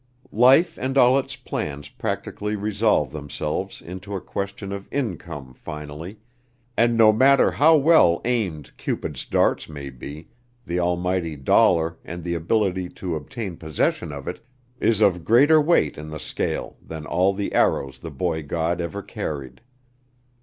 Life and all its plans practically resolve themselves into a question of income finally, and no matter how well aimed Cupid's darts may be, the almighty dollar and the ability to obtain possession of it, is of greater weight in the scale than all the arrows the boy god ever carried.